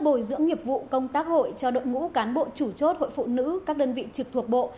bồi dưỡng nghiệp vụ công tác hội cho đội ngũ cán bộ chủ chốt hội phụ nữ các đơn vị trực thuộc bộ